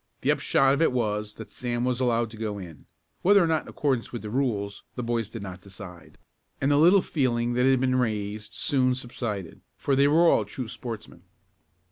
The upshot of it was that Sam was allowed to go in, whether or not in accordance with the rules the boys did not decide, and the little feeling that had been raised soon subsided, for they were all true sportsmen.